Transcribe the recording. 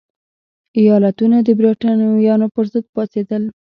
ایالتونه د برېټانویانو پرضد پاڅېدل.